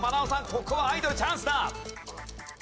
ここはアイドルチャンスだ。